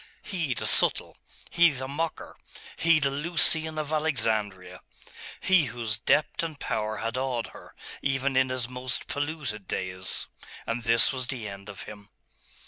He, the subtle! he, the mocker! he, the Lucian of Alexandria! he whose depth and power had awed her, even in his most polluted days.... And this was the end of him....